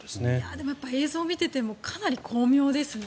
でもやっぱり映像を見ていてもかなり巧妙ですね。